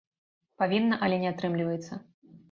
Павінна, але не атрымліваецца.